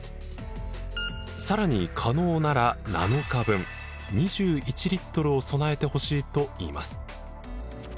さらに可能なら７日分２１リットルを備えてほしいといいます。